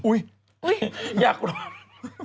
อุ๊ยอยากร้อง